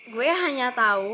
gue hanya tahu